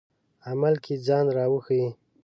عمل کې ځان راښيي.